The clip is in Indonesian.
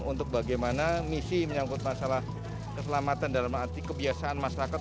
untuk bagaimana misi menyangkut masalah keselamatan dalam arti kebiasaan masyarakat